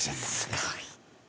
すごい。